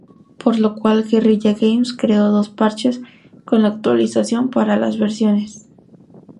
Por lo cual Guerrilla Games creó dos parches con la actualización para las versiones.